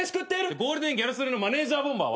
ゴールデンギャル曽根のマネジャーボンバーは？